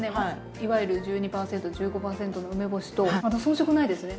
いわゆる１２％１５％の梅干しとまた遜色ないですね。